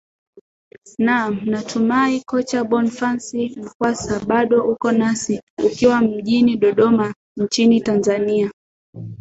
naam natumai kocha bonface mkwasa bado uko nasi ukiwa mjini dodoma nchini tanzania